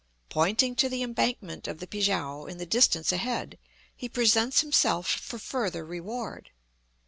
Pointing to the embankment of the Pi kiang in the distance ahead, he presents himself for further reward.